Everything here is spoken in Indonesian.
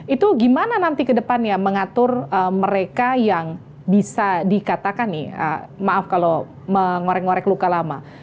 itu gimana nanti ke depannya mengatur mereka yang bisa dikatakan nih maaf kalau mengorek ngorek luka lama